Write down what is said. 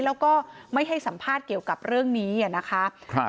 แล้วก็ไม่ให้สัมภาษณ์เกี่ยวกับเรื่องนี้นะคะ